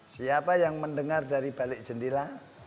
siapa yang mendengar dari balik jendela